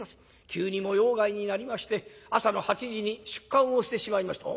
急に模様替えになりまして朝の８時に出棺をしてしまいました』。